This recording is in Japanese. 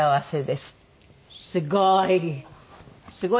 すごい。